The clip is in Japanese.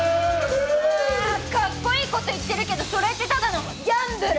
かっこいいこと言ってるけどそれってただのギャンブル！